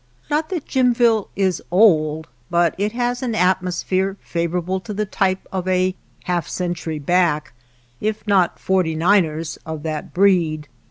105 JIMVILLE Not that Jimville is old, but it has an at mosphere favorable to the type of a half century back, if not " forty niners," of that breed.